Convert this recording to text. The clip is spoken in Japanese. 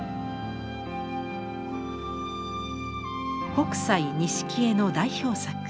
北斎錦絵の代表作